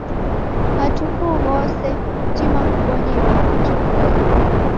Matuku ghose, tima kubonya ilagho jipoiye.